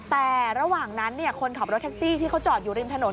แต่ระหว่างนั้นคนขับรถแท็กซี่ที่เขาจอดอยู่ริมถนน